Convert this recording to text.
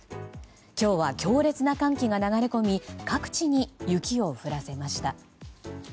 今日は強烈な寒気が流れ込み各地に雪を降らせました。